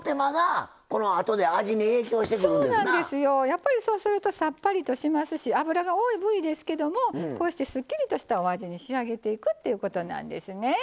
やっぱりそうするとさっぱりとしますし脂が多い部位ですけどもこうしてすっきりとしたお味に仕上げていくっていうことなんですね。